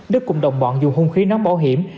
đức cùng đồng bọn dù hung khí nóng bỏ hiểm